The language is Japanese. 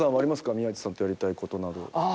宮内さんとやりたいことなど。